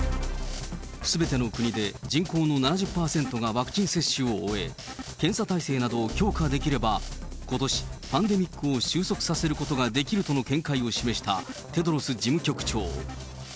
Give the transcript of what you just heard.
すべての国で人口の７０％がワクチン接種を終え、検査体制などを強化できれば、ことし、パンデミックを収束させることができるとの見解を示したテドロス事務局長。